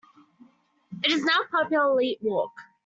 It is now the popular Leete Walk.